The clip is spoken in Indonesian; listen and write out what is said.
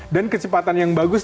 dan kecepatan yang bagus